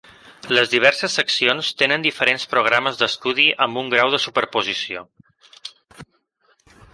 Les diverses seccions tenen diferents programes d'estudi amb un grau de superposició.